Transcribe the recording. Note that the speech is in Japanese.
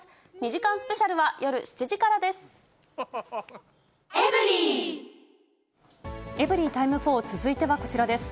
２時間スペシャルは夜７時からです。